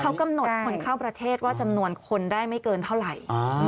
เขากำหนดคนเข้าประเทศว่าจำนวนคนได้ไม่เกินเท่าไหร่